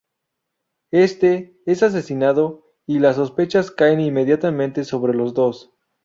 Éste es asesinado, y las sospechas caen inmediatamente sobre los dos.